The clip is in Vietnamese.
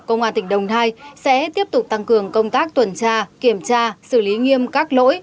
công an tỉnh đồng nai sẽ tiếp tục tăng cường công tác tuần tra kiểm tra xử lý nghiêm các lỗi